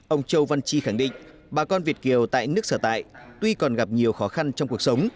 ông châu văn chi khẳng định bà con việt kiều tại nước sở tại tuy còn gặp nhiều khó khăn trong cuộc sống